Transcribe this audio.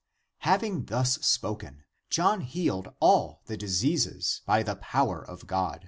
Having thus spoken, John healed all the diseases by the power of God.